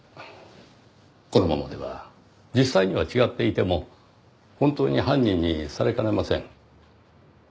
このままでは実際には違っていても本当に犯人にされかねません。